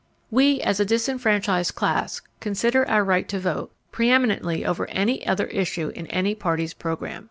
We, as a disfranchised class, consider our right to vote, preeminently over any other issue in any party's program.